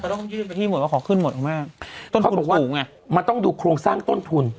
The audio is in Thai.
ใช่แต่ต้องยืนไปที่หมดว่าขอขึ้นหมดของแม่ต้นทุนคูณไงมันต้องดูโครงสร้างต้นทุน